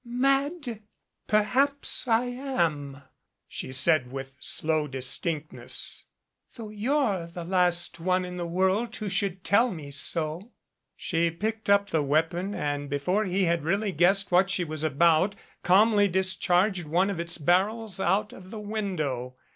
"Mad? Perhaps I am," she said with slow distinct ness. "Though you're the last one in the world who should tell me so." She picked up the weapon and, before he had really guessed what she was about, calmly discharged one of its barrels out of the window.